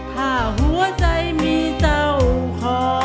ถ้าหัวใจมีเจ้าขอ